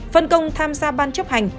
phân công tham gia ban chấp hành